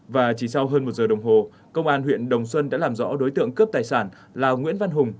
và chỉ sau hơn một giờ đồng hồ công an huyện đồng xuân đã làm rõ đối tượng cướp tài sản là nguyễn văn hùng